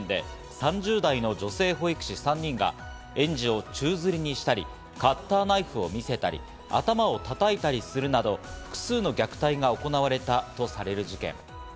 静岡県裾野市のさくら保育園で３０代の女性保育士３人が園児を宙吊りにしたり、カッターナイフを見せたり、頭を叩いたりするなど、複数の虐待が行われたとされる事件。